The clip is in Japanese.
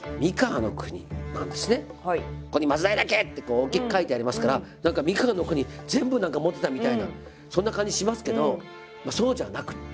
ここに松平家ってこう大きく書いてありますから何か三河国全部持ってたみたいなそんな感じしますけどそうじゃなくって